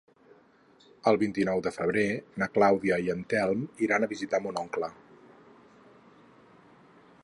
El vint-i-nou de febrer na Clàudia i en Telm iran a visitar mon oncle.